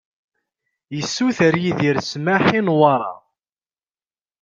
Yessuter Yidir ssmaḥ i Newwara.